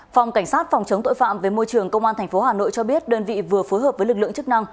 phòng cảnh sát phòng chống tội phạm về môi trường công an tp hà nội cho biết đơn vị vừa phối hợp với lực lượng chức năng